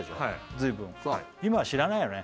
随分今は知らないよね